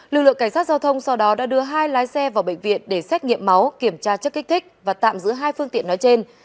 lực lượng cảnh sát giao thông sau đó đã đưa hai lái xe vào bệnh viện để xét nghiệm máu kiểm tra chất kích thích và tạm giữ hai phương tiện nói trên